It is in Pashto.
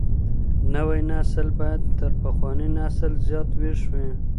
نوی نسل بايد تر پخواني نسل زيات ويښ وي.